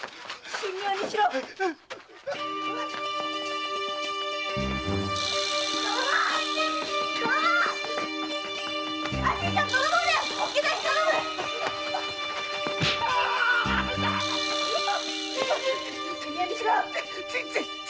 神妙にしろっ！